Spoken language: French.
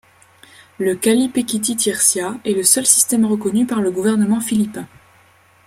Le Kali Pekiti-Tirsia est le seul système reconnu par le gouvernement philippin.